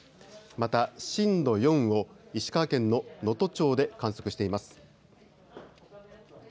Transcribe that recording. また震度４を石川県の能登町で観測しています。